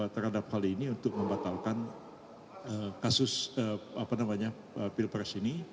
terhadap hal ini untuk membatalkan kasus pilpres ini